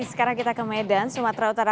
sekarang kita ke medan sumatera utara